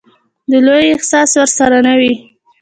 د لويي احساس ورسره نه وي.